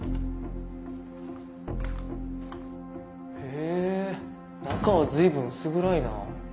へぇ中は随分薄暗いな。